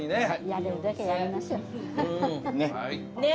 やれるだけやりますよ。ね！